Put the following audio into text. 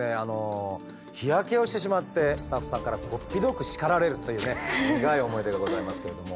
日焼けをしてしまってスタッフさんからこっぴどく叱られるというね苦い思い出がございますけれども。